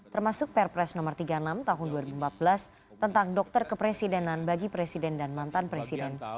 termasuk perpres no tiga puluh enam tahun dua ribu empat belas tentang dokter kepresidenan bagi presiden dan mantan presiden